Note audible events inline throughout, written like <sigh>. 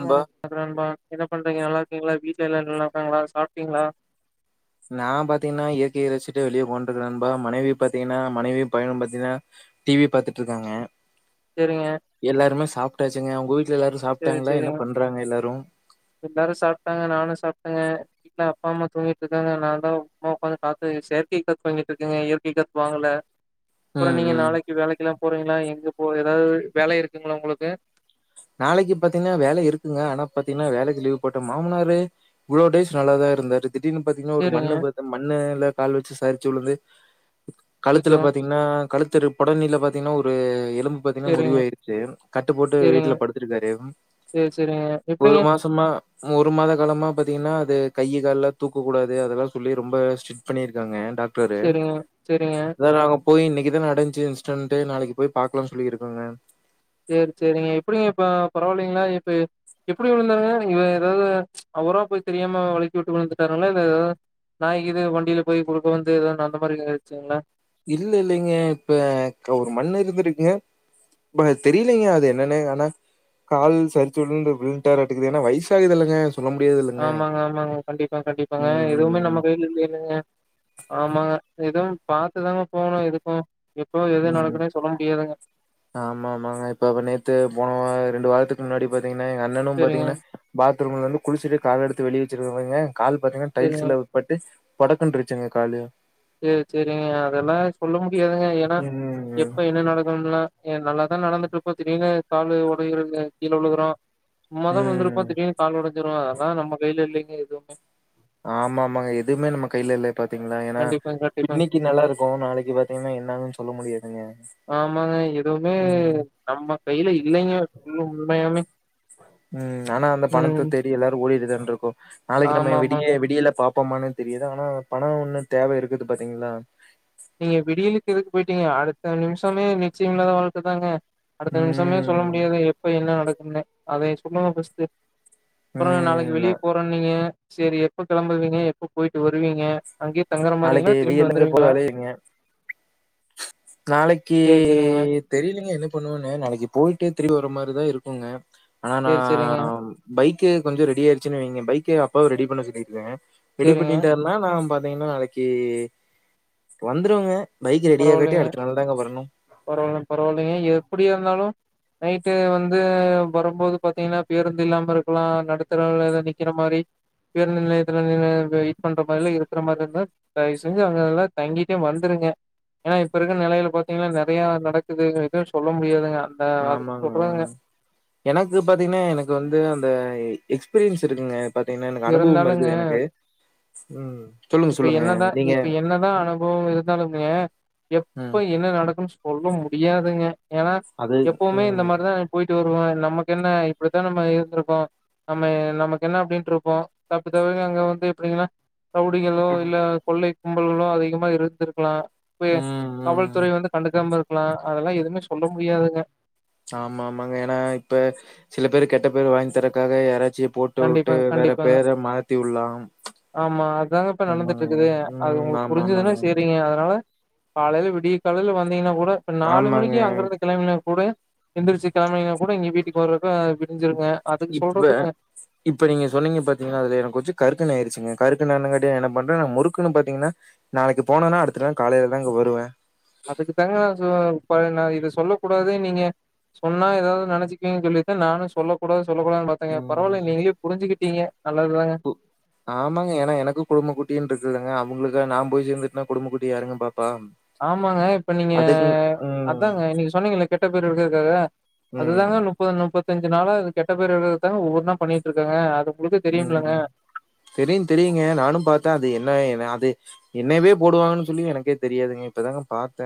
நண்பா நண்பா என்ன பண்றீங்க நல்லா இரு க்கிங்களா வீட்ல எல்லா நல்லா இருக்காங்களா சாப்ட்டீங்களா நா பாத்திங்கன்னா இயற்கைய ரசிச்ட்டு வெளிய போண்ட்டகிறன் நண்பா மனைவி பாத்தீங்கன்னா மனைவியும் பையணும் பாத்தீங்கன்னா டிவி பாத்துட்டு இருக்காங்க எல்லாருமே சாப் ப்டாச்சிங்க உங்க வீட் செரி செரிங்க எல்லாரு சாப்ட்டாங்க நானு சாப்ட்டேங்க வீட்ல அப்பா அம்மா தூங்கிட்டு இருக்காங்க நான்தா சும்மா உக்காந்து காத்து செயற்கை காத்து வாங்கிட்டு இருக்கேங்க இயற்கை காத்து வாங்கல அப்புறம் ம் நீங்க ம் நாளைக்கு வேலைக்கல்லாம் போறீங்களா எங்க இப்போ எதாவது வேல இருக்குங்களா உங்களுக்கு நாளைக்கு பாத்தீங்கன்னா வேல இருக்குங்க ஆனா பாத்தீங்கன்னா வேலைக்கு லீவ் போட்டன் மாமனாரு இவ்ளோ டேஸ் நல்லாதா இருந்தாரு திடீர்னு பாத்தீங்கனா ஒரு சரிங்க. மண்ணு பாத் மண்ணேல கால் வச்சு சரிச்சு உலுந்து கழுத்துல அச்சச்சோ! பாத்திங்கன்னா கழுத்து <unintelligible> பாத்தீங்கன்னா ஒரு ஏ பாத்தீங்கன்னா முறிவு சரிங்க, ஆயிருச்சி கட்டுப்போட்டு சரிங்க. வீட்ல <unintelligible> சரி, சரிங்க. ஒரு எப்படிங்க? மாசமா ஒரு மாத காலமா பாத்தீங்கன்னா அது கை கால்லா தூக்ககூடாது அதெல்லா சொல்லி ரொம்ப ஸ்ட்ரிட் பண்ணியிருக்காங்க டாக் டரு சரிங்க, சரிங்க. அத நாங்கப் போய் இன்னைக்கு தா நடஞ்சு இன்ஸ்டன்ட்டு நாளைக்கு போய் பாக்கலானு சொல்லியிருக்காங்க சேரி சேரிங்க எப்டிங்க இப்ப பரவாயில்லைங்களா இப்ப எப்டி விழுந்தாருங்களா இல்ல ஏதாது ச் அவரா போய் தெரியாம வழுக்கி விட்டு விழுந்துட்டாருங்களா இல்ல ஏதாது நாய்கீய் வண்டியில போய் குறுக்க வந்து ஏதன்னா அந்த மாரியாயிடுச்சுங்களா இல்ல இல்லைங்க இப்ப ஒரு மண் இருந்திருக்குங்க ப தெரிலங்க அது என்னன்னு ஆனா கால் சரிச்சு விழுட்டாரு அட்டுக்குது ஏன்னா வயசு ஆகுது இல்லைங்க ஆமாங்க ஆமாங்க கண்டிப்பாங்க கண்டிப்பாங்க ம் எதுவுமே ம் நம்ம கையில இல்லைலங்க ஆமாங்க எதுவும் பாத்துதாங்க போணும் எதுக்கும் ம் ம் ஆமா ஆமாங்க இப்ப அ நேத்து போனோ ரெண்டு வாரத்துக்கு முன்னாடி பாத் என்ன எங்க அண்ணனும் சேரிங்க பாத்தீங்கன்னா பாத்ரூம்ல இருந்து குளிச்சிட்டு காலெடுத் வெளிய வச்சிருவாங்க கால் பாத்தீங்கன்னா சேரிங்க டைல்ஸ்ல உட்பட்டு படக்கனு இருச்சுங்க காலு சேரி சேரிங்க அதெல்லா சொல்ல மு டியதுங்க ஏன்னா ம். எப்ப என்ன நடக்கணும்ல நல்லா நா நடந்துட்டு இருப்ப திடீர்னு கால் உடைந்து கீழ விழுகுறோம் சும்மா தா ம். விழுந்திருப்போ திடீனு கால் ஒடஞ்சிரும் அதெல்லா நம்ம கைல இல்லிங் எதுவுமே ஆமா ஆமாங்க எதுவுமே நம்ம கையில இல்ல இப்ப <unintelligible> ஏன்னா கண்டிப்பாங்க, கண்டிப்பாங்க. இன்னிக்கு நல்லா இருக்கும் நாளைக்கு பாத்தீங்கன்னா என்னன்னு சொல்ல முடியாதுங்க ஆமாங்க. எதுவுமே ம் <unintelligible> உண்மையாகுமே ம் ஆனா அந்த பணத்த தேடி எல்லாரு ஓடிட்டுதானே இருக்கோ நாளைக்கு நம்ம விடிய ஆமாமாங்க. விடியல பாப் போமான்னு தெரியுது ஆனா பணம் ஒன்னு தேவ இருக்குது பாத்தீங்களா நீங்க விடியிலுக்கு எதுக்கு போயிட்டீங்க அடுத்த நிமிஷமே நிச்சயம் இல்லாத வாழ்க்க தாங்க அடுத்த நிமிஷமே சொல்ல ம். முடியாது எப்ப என்ன நடக் என்ன அத சொல்லுங்க ஃபஸ்டு ம். அப்றோ நாளைக்கு ம். வெளிய போறோனு நீங்க சேரி எப்ப கிளம்புவீங்க எப்ப போயிட்டு வருவீங்க அங்கேயே தங்குற மாரிங்களா? நாளைக்கு திரும்பி வெயிலுங்க போய் வந்துருவீங்களா? <unintelligible> நாளைக்கு சரி, சரிங்க. தெரிலங்க என்ன பண்ணுவன்னு நாளைக்கு போயிட்டு திரும்பி வர்ர மாரி இதுதா இருக்குங்க ஆனா நா சரி, சரிங்க. பைக் பைக்கு கொஞ்சோ ரெடி ஆயிருச்சுைங்க பைக் அப்பாவ ரெடி பண்ண சொல்லிருக்கே ரெடி சரிங்க. பண்ணிட்டாருன்னா நான்பா ங்கன்னா நாளைக்கு வந்துருவங்க பைக் ரெடி ஆகட்டி பரவாயில்லைங்க, அடுத் பரவாயில்ல பரவாயில்லிங்க எப்டியாருந்தாலு நைட்டு வந்து வரும்போது பாத்தீங்கன்னா பேருந்து இல்லாம இருக்கலா நடுத்தெரவுல நிக்கிற மாரி பேருந்து நிலையத்துல வெயிட் பண்ற மாரி எல்லாம் இருக்கிற மாரிலா இருந்தா தயவு செஞ்சு அங்க எல்லா தங்கிட்டே வந்துருங்க ஏன்னா இப்ப இருக்கிற நெலையில பாாரத்தீங்கன்னா நெறைய நடக்குது எதுவு சொல்ல முடியாதுங்க அந்த அதுக்கு ஆமாங்க சொல்றாங்க ம் எனக்கு பாத்தீங்கன்னா எனக்கு வந்து அந்த எ எக்ஸ்பீரியன்ஸ் இருக்குங்க பாத்தீங்கன்னா எனக்கு அனுபவம் இருந்தாலுங்க இருக்குது எனக்கு ம் சொல்லுங்க இப்ப சொல்லுங்க என்னதா நீங்க இப்ப என்னதா அனுபவ இருந்தாலுங்க எப்ப ம் என்ன நடக்குனு சொ சொல்ல முடியாதுங்க ஏன்னா அது எப்பவுமே இந்த ம் மாரிதா போயிட் ருவோ நமக்கு என்ன இப்டித்தா நம்ம இருந்திருப்போ நம்ம நமக்கு என்ன அப்டின்றுக் ஓ தப்பி தவறி அங்க வந்து எப்டிங்கன்னா ரவுடிகளோ இல்ல கொள்ளை கும்பலுகளு அதிகமா இருந்திருக்கலா இப்ப ம் ம் காவல்துறை வந்து கண்டுக்காம இரு லா அதெல்லா எதுவுமே சொல்ல முடியாதுங்க ஆமா ஆமாங்க ஏன்னா இப்ப சில பேர் கெட்ட பேர் வாங்கி தரக்காக யாரா கண்டிப்பாங்க கண்டிப்பாங்க விடலாம். ஆமா அதுதாங்க இப்ப நடந்துட்டு ஆமாங்க. இருக்குது அது ம். உங்களுக்கு புரிஞ்சதுன்னா ஆமாமாங்க. ஆமாங்க. செரிங்க அதனால காலைல விடிய காலையல வந் இருந்திங்கனா கூட நாலு ஆமாங்க. மணிக்கு அங்கருந்து கிழமினா கூட எந்திரிச்சி கிளம்ப்னிங்ன்னா கூட இங்க வீட்டுக்கு வர அ விடிஞ்சிருங்க அதுக்கு இப்ப சொல்றதுங்க இப்ப நீங்க சொன்னீங்க பாத்தீங்களா அதுல எனக்கு கொச்சு கருத்துனு ஆயிச்சுங்க கருக்குண என்னகேட்டா என்ன பண்றே முறுக்குன்னு பாத்தீங்கன்னா நாளைக்கு போனேனா அடுத்த நா காலைலதாங்க வருவே அதுக்குதாங்க நா சொ ற த இது சொல்லக் கூடாது நீங்க சொன்னா ஒதாவது நெனைச்சக்கீன்னு சொல்லிதா நானு சொல்ல கூடாது சொல்லகூடாதுனு பாத்தங்க பரவாலங் நீங்ளே புஞ்சுகிட் ங்க உ ஆமாங்க ஏனா எனக்கு குடும்ப குட்டினு இருக்குதுங்க அவங்ளுக் கு நா போய்சேர்ந்துட்னா குடும்பகுட்டிய யாருங்க பா ஆமாங்க இப்ப நீங்க ம். அதாங்க நீங்க சொன்னீங்கல கெட்ட பேர் எருக்குறதுக்காக அதுதாங்க ம். நுப்பது நுப்பது லு அஞ்சுனாலா அது கெட்ட பேரு எடுக்கறத்தாங்க ஒவ்வொன்னா பண்ணிட்டு இருக்காங்க அது உங்களுக்கு தெரியும்லங்க ம் தெரியும் தெரியுங்க நானும் பாத்தேன் அது என்னன அது என்னவே போடுவாங்கன்னு சொல்லி எனக்கே தெரியாதுங்க இப்பதாங்க பாத்தே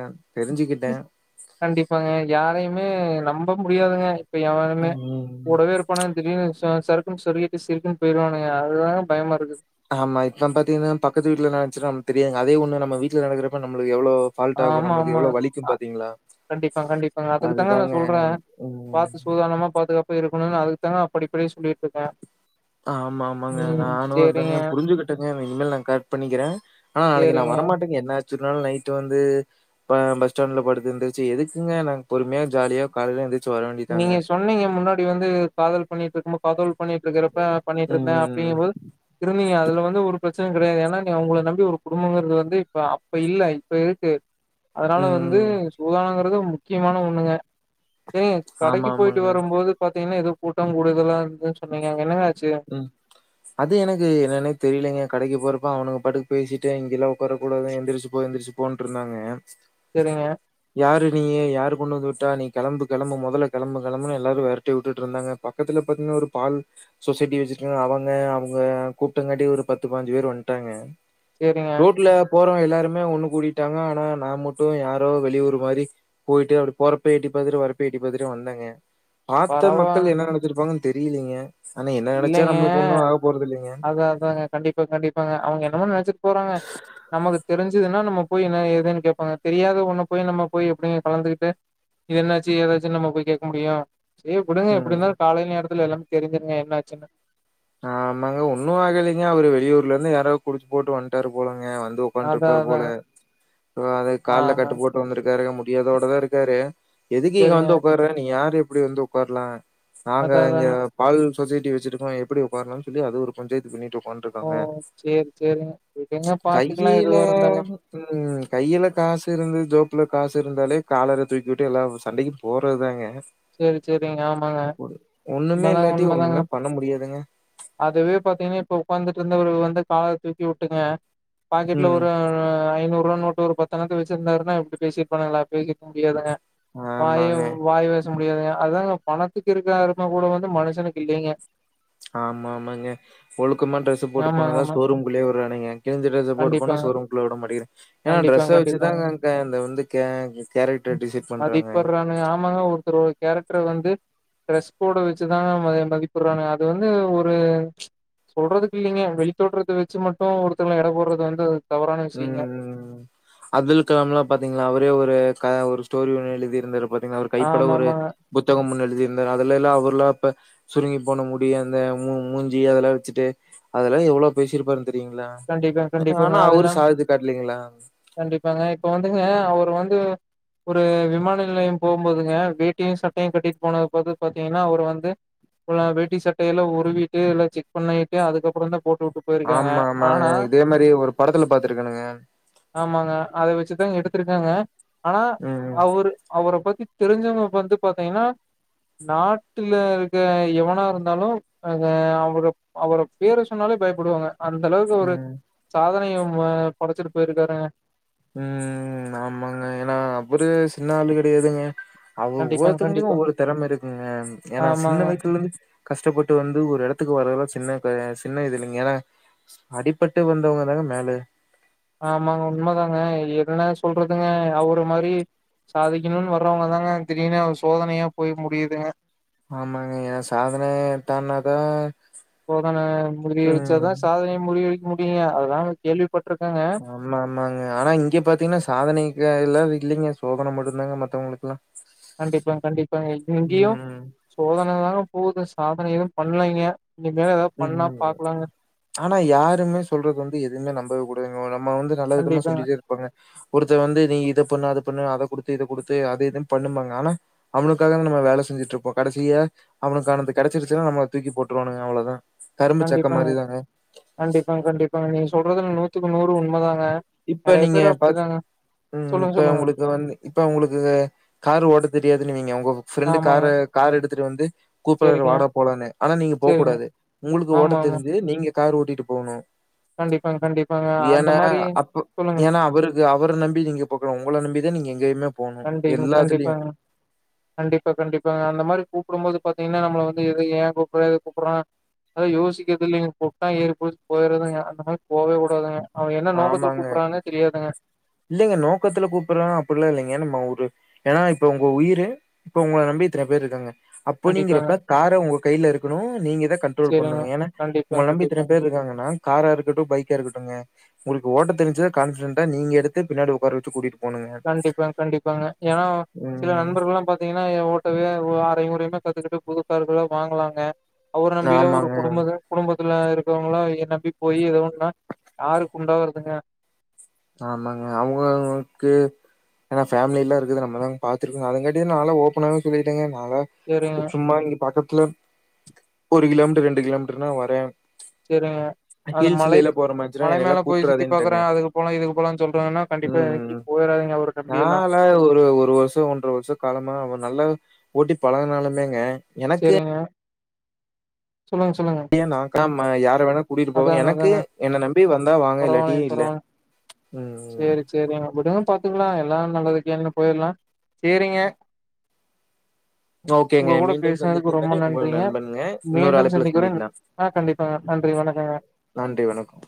கண்டிப்பாங்க யாரையுமே நம் நம்ப முடியாதுங்க இப்ப யாருமே ம். கூடவேயிருப்பானுங்க திடீர்னு ச சறுக்குனு சொருவிட்டு சிருக்குனு போயிடுவானுங்க அதுதாங்க பயமா இருக்கு ஆமா இப்ப பாத்தீங்கன்னா பக்கத்து வீட்ல என்னா நடந்துச்சுனு நமக் தெரியாதுங்க அதே ஒண்ணு நம்ம வீட்ல நடக்கிறப்ப நம்மளுக்கு எவ்வளோ ஃபால்ட் ஆகும், ஆமா நம்மளுக்கு ஆமா எவ்வளோ வலிக்கும் பார்த்தீங்களா? கண்டிப்பா கண்டிப்பாங்க அதுக்கு தாங்க நான் அதுதாங்க. சொல்றேன் ம். பாத்து சூதானமா பாதுகாப் போய் இருக்கணுன்னு அதுக்கு தாங்க அப்படி இப்படி சொல்லிட்டு இருக்கன் ஆமா ஆமாங்க நாணும் அதாங்க புரிஞ்சுக்கிட்டங்க இனிமேல் நான் கரட் பண்ணிக்கிறேன் ஆனா நாளைக்கு நான் சரிங்க வரமாட்டேங்க என்ன ஆ ச்சினாலும் நைட்டு வந்து ப பஸ் ஸ்டாண்ட்ல படுத்து எந்திருச்சு எதுக்குங்க நாங்க பொறுமையா ஜாலியா காலையில எந்திருச் நீங்க சொன்னீங்க முன்னாடி வந்து காதல் பண்ணிட்டு இருக்க காதல் பண்ணிட்டு இருக்கறப்ப பண்ணிட்டு இருந்தேன் ம். அப்டிங்கம் போது இருந்தீங்க அதுல வந்து ஒரு பிரச்சன கெடையாது ஏன்னா நீ உங்கள நம்பி ஒரு குடும்பங்கிறது வந்து இப்ப அப்ப இல்ல இப்ப இருக்கு அதனால வந்து ம். சூதானங்கி றது முக்கியமான ஒண்ணுங்க செரிங் ஆமா, கடைக்கு போய்ட்டு ஆமாங்க. வரும்போது பாத்தீங்கன்னா எது கூட்டம் கூடுதலா இருக்கு சொன்னீங்க அங்க என்னங்க ஆச் ம் அது எனக்கு என்னன்னே தெரியலங்கே கடைக்கு போற ப்ப அவனுங்க பாட்டுக்கு பேசிட்டு இங்கேல்லாம் உக்கர கூடாது எந்திரிச்சி போ எந்திரிச்சி போன்ட்டு இருந்தாங்க சரிங்க யாரு நீயு யாரு கொண்ணு வந்து விட்டா நீ கெளம்பு கெளம்பு மொதல்ல கெளம்பு கெளம்புனு எல்லாரயும் வெரட்டி உட்டுட்டு இருந்தாங்க பக்கத்துல பாத்தீங்கன்னா ஒரு பால் சொசைட்டி வச்சிட்டுரு அவங்க அவுங்க கூப்டாங்காட்டி ஒரு பத்து பாஞ்சு பேரு வண்ட்டாங்க சேரிங்க போறவங்க எல்லாருமே ஒண்ணு கூடிட்டாங்க ஆனா நா மட்டும் யாரோ வெளியூர் மாரி போயிட்டு அப்டி போறப்ப எட்டி பாக்கற வரப்ப எட்டி பாத்துட்டே வந்தேங்க பாத்த பரவா மக்கள் என்ன நெனைச்சிருப்பாங்கனு தெரியிலைங்க இல்லைங்க அதான் அதாங்க கண்டிப்பா கண்டிப்பாங்க அவுங்க என்னமோ நெனச்சிட்டு போறாங்க நமக்கு தெரிஞ்சுதுன்னா நம்ம போய் என்ன ஏதுன்னு கேப்பாங்க தெரியாத ஒண்ணு போய் நம்ம போய் எப்டிங்க கலந்துகிட்டு என்னாச்சி ஏதாச்சினு நம்ம போய் கேக்க முடியும் சரி விடுங்க எப்டி ம். இருந்தாலும் காலை நேரத்துல எல்லாமே தெரிஞ்சிருங்க என்ன ஆச் சின்னு ஆ ஆமாங்க ஒன்னும் ஆகலைங்கா அவரு வெளியூர்ல இருந்து யாரோ குடிச்சு போட்டு வண்ட்டாரு போல ங்க வந்து அதா உக்கன்ட்ருபாரு போல அதாங்க <unintelligible> கால்ல ஆமா கட்டு போட்டு வந்திருக்காரு புடியதோட தா இருக்காரு எதுக்கு இங்க சரிங்க வந்து உட்காறரு நீங்க யாரு இப்டி வந்து உட்காரலா நாங்க அதா இங்க அதாங்க பால் பேசிட்டு வச்சிருக்கோ எப்புடி உக் பார்ரானு சொல்லி அது ஒரு பஞ்சாயத்து பண்ணிடோ ஓ வன்ட்ருகாங்க சேரி சேரிங்க விடுங்க பாத்துக்கலா கையில எதுவா இருந்தாலு ம் கையில காசு இருந்து ஜோப் <unintelligible> காசு இருந்தாலே காலரை தூக்கிவிட்டு எல்லா சண்டைக்கு போறதுதாங்க சேரி சேரிங்க ஆமாங்க ஒண்ணுமே உன்மதாங்க இல்லாட்டி உண்மதாங்க ஒண்ணுமே பண்ண முடியாதுங்க. அதுவே பார்த்தீங்கன்னா இப்ப உட்காந்துட்டு இருந்தவ வந்து கால தூக்கி வுட்டுங்க பாக்கெட்ல ம். ஒரு ஐநூறு ருவா நோட்டு ஒரு பத்தனைத்தை வச்சிருந்தாருன்னா இப்டி பேசினுப்பாங்களா பேசிக்க முடியாதுங்க வாயு ஆமாங்க. வாயுவ முடியாதுங்க அதாங்க பணத்துக்கு இருக்கரும கூட வந்து மனுஷனுக்கு இல்லங்க ஆமா ஆமா இங்க ஒழுக்கமா டிரஸ் போட்டு ஆமாங்க போனதா ஆமா ஷோரூம்குள்ளயே விடுறானுங்க கிழி்ஞ்ச டிரெஸ் போட்டு போனா கண்டிப்பாங்க ஷோரூம்குள்ள விட மாட்டேிறேங்க ஏன்னா கண்டிப்பாங்க டிரரெஸை கண்டிப்பாங்க வச்சுதாங்க அ இந்த வந்து க கேரக்டர் ம். டிசைட் பண்றாங்க மதிப்பிடுறானுங்க ஆமாங்க ஒருத்தரோட கேரக்டர வந்து டீரஸ்கோடவச்சுதாங் மதிப்பிடுறானுங்க அது வந்து ஒரு ஒரு சொல்றதுக்கு இல்லைங்க வெளித்தோட்றத்த வச்சு மட்டு ஒருத்தர எட போடுறது வந்து தவறான ம் விஷயங்க ம் அப்துல் கலாம்லா பாத்தீங்களா அவரே ஒரு வே காய ஒரு ஸ்டோரி ஒன்னு எழுதியிருந்தரு பாத்தீங்கன்னா அவர் கைப்பட ஆமா ஒரு ஆமாங்க புத்தகம் ஒன்னு எழுதி அந்த நாளல்லா அவர்ல்லா ப சுருங்கி போன முடிய அந்த மூ மூஞ்சி அதெல்லா வச்சுட்டு அதெல்லா எவளோ பேசிருப்பாரு கண்டிப்பா கண்டிப்பாங்க அதெல்லா சாதிச்சு காட்டலீங்களா? கண்டிப்பாங்க இப்போ வந்துங்க ஏங்க அவர் வந்து ஒரு விமான நிலையம் போகும்போதுங்க வேட்டியு சட்டையு கட்டிட்டு போனது பாத்தீங்கன்னா அவர் வந்து வேட்டி சட்டையல்லா உருவிட்டெல்லு செக் பண்ணிட்டு அதுக்கப்ற தா போட்டு வுட்டு போயிருக்காங்க ஆமா ஆமாங்க இதே மாரி ஒரு படத்துல பாத்துருக்கணுங்க ஆமாங்க. அத வச்சுதா எடுத்திருக்காங்க ஆனா ம், அவரு அவர பத் தெரிஞ்சவங்க வந்து பார்த்தீங்கன்னா நாட்டுல இருக்க எவனா இருந்தாலு அ அவ அவர பேர சொன்னாலே பயப்படுவாங்க அ அந்த அளவுக்கு ஒரு ம். சாதனையு ம படைச்சிட்டு போயிருக்காருங்க ம் ஆமாங்க ஏன்னா அவரு சின்ன ஆள் கெடையாதுங்க அவ கண்டிப்பாங்க, ஒவ்வொருத்தவங்கையு கண்டிப்பா. ஒவ்வொரு தெறமை இருக்குங்க ஏன்னா ஆமாங்க. சின்ன வயசலந்து கஷ்டப்பட்டு வந்து ஒரு எடத் இதுக்கு வரறதுல்லா சின்ன ப சின்ன இது இல்லிங்க ஏன்னா அடிப்பட்டு வந்தவங்க தாங்க மேல ஆமாங்க உண்மை தாங்க என்ன சொல்றதுங்க அவுரு இந்த மாதிரி சாதிக்கணும்னு வர்றவங்க தாங்க திடீனு சோதனையா போய் முடியுதுங்க ஆமாங்க ஏ சாதனை தானாதான் சோதனை முறியடிச்சா தா சாதனை முறியடி முடியும் அது தா கேள்வி ஆமா ஆமாங்க ஆனா இங்க பாத்தீங்கன்னா சாதனை எல்லா இல்லிங்க சோதனை மட்டுதாங்க மத்தவங்ளுக்குலாம் கண்டிப்பா கண்டிப்பா இங்கேயும் ம், சோதனை தாங்க போது சாதனை ஏதும் பண்லைங்க இனிமேல் ஏதாவது பண்ணா ம் பாக்கலாங்க ஆனா யாருமே சொல்றது வந்து எதுவுமே நம்பவே கூடாதுங்க நம்ம வந்து நல்ல விதமா கண்டிப்பாங்க சொல்லிடே இருப்போங்க ஒருத்தன் வந்து நீ இத பண்ணு அது பண்ணு அத கொடுத்து இத குடுத்து அதே இது பண்ணுன்பாங்க ஆனா அவனுக்காக தா நம்ம வேலை செஞ்சிட்டு இருப்போம் கடைசியா அவனுக்கானது கடைச்சிருச்சு நா நம்மள தூக்கி போட்டுருவானுங்க அவ்ளோதா கண்டிப்பாங்க கண்டிப்பாங்க கண்டிப்பங்க நீ சொல் றது நூற்றுக்கு நூறு உண்மை தா இப்ப நீங்க பா ம் சொல்லுங்க இப்ப சொல்லுங்க உங்களுக்கு வந்து இப்ப உங்களுக்கு காரு ஓட்ட தெரியாதுனு வைங்க உங்க ஃப்ரெண்டு ஆமாங்க காரு கார் எடுத் துட்டு வந்து கூப்டாரு சரிங்க வாட போலானு ஆனா நீங்க போ சரிங்க கூடாது உங்களுக்கு ஓட்ட ஆமா ஆமா தெரிஞ்சு நீங்க கார் ஓட்டிட்டு போனும் கண்டிப்பாங்க கண்டிப்பாங்க அந்த மாரி அப்ப சொல்லுங்க ஏன்னா அவருக்கு அவர நம்பி நீங்க போக்கூடாது உங்கள நம்பி தா நீங்க எங்க இல்லம் கண்டி கண்டிப்பாங்க கண்டிப்பா கண்டிப்பாங்க அந்த மாரி கூப் கூடும்போது பாத்தீங்கன்னா நம்மள வந்து எது ஏன் கூப்பிடுறா எதுக்கு கூப்பிடுறா அது யோசிக்கிறது இல்லிங்க கூப்டா ஏறி புடிச்சி போய்டுறதுங்க அந்த மாரி போகவே கூடாதுங்க அவன் என்ன நோக்கத்துல கூப்படுறான்னு தெரியாதுங்க இல்லிங்க நோக்கத்துல கூப்பிடுறா அப்டில்லா இல்லிங்க நம்ம ஒரு ஏன்னா இப்ப உங்க உயிரு இப்ப உங்கள நம்பி இத்தன பேரு இருக்காங்க கண்டிப்பாங்க. அப்டிங்கிறப்ப காரு உங்க கையில இருக்கணும் நீங்க தா கண்ட்ரோல் சரிங்க. பண்ணுங்க ஏன்னா கண்டிப்பா, உங்க நம்பி இத்தன கண்டிப்பாங்க. பேரு இருக்காங்கன்னா காரா இருக்கட்டும் பைக்கா இருக்கட்டும்ங்க உங்களுக்கு ஓட்ட தெரிஞ்ச கான்பிடெண்டா நீங்க எடு த்து பின்னாடி உக்கார வச்சு கூட்டிட்டு கண்டிப்பா கண்டிப்பாங்க ஏனா அ சில ம். நண்பர்களுலா பாத்தீங்கன்னா ஓட்டவே ஆ <unintelligible> முறைனா கத்துக்கிட்டு புது கார்ல வாங்கலாங்க அவர நம்பில ஒரு ஆமாங்க, குடும்ப குடும்ப த்துல இருக்கவங்களா இத நம்பி போயி எதாஒன்னா யாருக்குண்டோ வருதுங்க ஆமாங்க அவுங்கவுங்களுக்கு ஏனா ஃபேமிலிலா இருக்குது நம்மதா பாத்திருக்கங்க அதுங்காட்டியும் நால ஓபனாவே சொல்லிட்டேங்க நால சரிங்க, சும்மா இங்க பாக்க கிளப் ஒரு கிலோமீட்டர் ரண்டு கிலோமீட்டர்னா வரேன் செரிங்க அது மலை ஹில்ஸ்லலாம் போற மாரிச்சுன்னா மலை மேல என்னையெல்லாம் போயி சுத்தி கூப்பிட்டுறாதேன்ட்டேங்க. பாக்குறேன் அதுக் ம் ம் ம் போயிறாதீங்க அவர நம்பி எல்லா நாலா ஒரு ஒரு வருஷோ ஒன்ற வருஷோ காலமா அவன் நல்லா கு ஓட்டி பழகுனாலுமேங்க எனக்கு செரிங்க சொல்லுங்க சொல்லுங்க மா யாரு வேணா கூட்டிட்டு போவ அதாங்க எனக்கு அதாங்க என்ன நம்பி வந்தா வாங்க இல்லாட்டி பரவால்லைங்க இல்ல பரவால்ல ம் ம் பாத்துகலா எல்லா நல்லதுகேனு போயிர்லா செரிங்க உங்க ஓகேங்க. கூட மீண்டும் பேசுனதுக்கு சந்திக்கும் ரொம்ப வரை உங்கள் நன்றிங்க நண்பன்ங்க. இன்னொரு மீண்டும் அழைப்புல சந்திக்கிற சந்திக்கலாம். ஆ கண்டிப்பா நன்றி வணக் நன்றி வணக்கம்